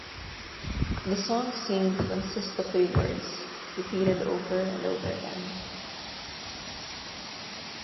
The song seemed to consist of three words, repeated over and over again.